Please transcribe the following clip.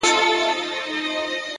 وخت د ژمنو صداقت ښکاره کوي.!